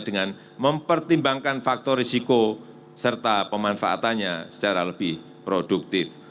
dengan mempertimbangkan faktor risiko serta pemanfaatannya secara lebih produktif